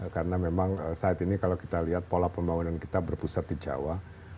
karena memang saat ini kalau kita lihat pola pembangunan kita berpusat di jawa